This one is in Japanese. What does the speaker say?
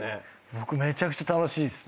僕めちゃくちゃ楽しいですね。